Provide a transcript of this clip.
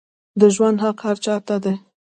د ژوند حق هر چا ته دی